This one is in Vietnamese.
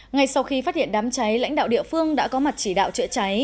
ngay sau khi phát hiện đám cháy lãnh đạo địa phương đã có mặt chỉ đạo chữa cháy